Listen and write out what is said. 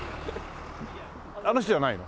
あの人じゃないの？